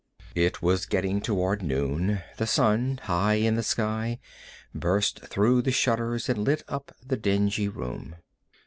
It was getting toward noon. The sun, high in the sky, burst through the shutters and lit up the dingy room.